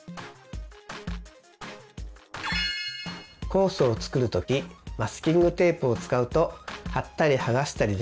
コースを作る時マスキングテープを使うと貼ったり剥がしたりできて便利。